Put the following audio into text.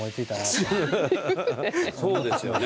そうですよね。